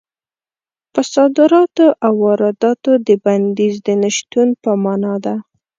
په صادراتو او وارداتو د بندیز د نه شتون په مانا ده.